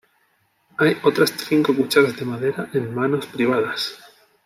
Hay otras cinco cucharas de madera en manos privadas.